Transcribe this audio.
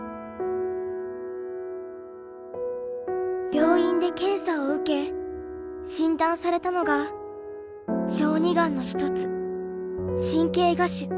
病院で検査を受け診断されたのが小児がんの一つ神経芽腫。